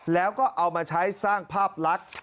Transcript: แล้วก็เอามาใช้สร้างภาพลักษณ์